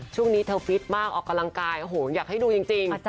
ช่วงนี้เธอฟิตมากออกกำลังกายโอ้โหอยากให้ดูจริง